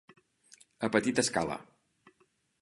A petita escala.